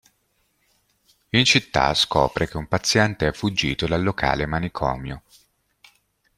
In città scopre che un paziente è fuggito dal locale manicomio.